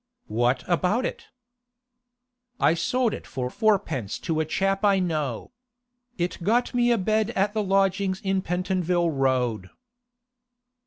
'What about it?' 'I sold it for fourpence to a chap I know. It got me a bed at the lodgings in Pentonville Road.